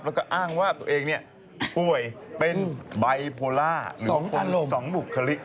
แล้วก็อ้างว่าตัวเองป่วยเป็นไบโพล่า๒บุคลิก